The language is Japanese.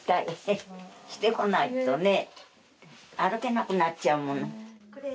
してこないとね歩けなくなっちゃうもん。